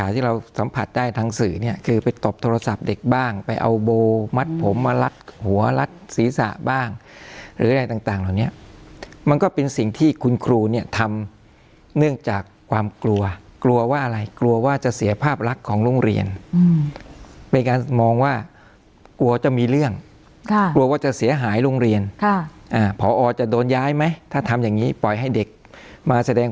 ติดตบโทรศัพท์เด็กบ้างไปเอาโบมัดผมมาลักหัวลัดศีรษะบ้างหรืออะไรต่างต่างตอนเนี้ยมันก็เป็นสิ่งที่คุณครูเนี้ยทำเนื่องจากความกลัวกลัวว่าอะไรกลัวว่าจะเสียภาพรักษ์ของโรงเรียนอืมเป็นการมองว่ากลัวจะมีเรื่องค่ะกลัวว่าจะเสียหายโรงเรียนค่ะอ่าผอจะโดนย้ายไหมถ้าทำอย่างง